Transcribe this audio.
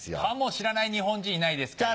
知らない日本人いないですから。